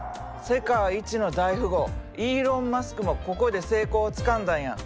世界一の大富豪イーロン・マスクもここで成功をつかんだんや。